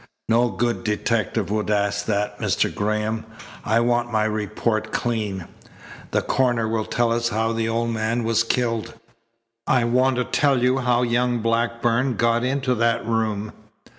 "No good detective would ask that, Mr. Graham. I want my report clean. The coroner will tell us how the old man was killed. I want to tell how young Blackburn got into that room.